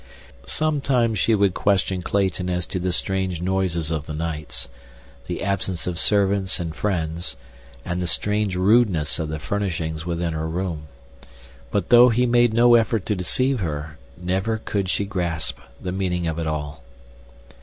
Sometimes she would question Clayton as to the strange noises of the nights; the absence of servants and friends, and the strange rudeness of the furnishings within her room, but, though he made no effort to deceive her, never could she grasp the meaning of it all.